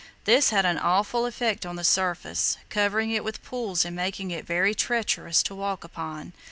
This had an awful effect on the surface, covering it with pools and making it very treacherous to walk upon.